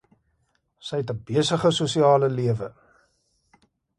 Sy het 'n besige sosiale lewe.